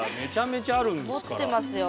持ってますよ。